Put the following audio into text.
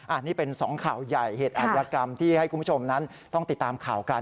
อันนี้เป็นสองข่าวใหญ่เหตุอัธยกรรมที่ให้คุณผู้ชมนั้นต้องติดตามข่าวกัน